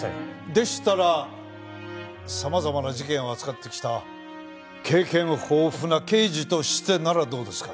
でしたら様々な事件を扱ってきた経験豊富な刑事としてならどうですか？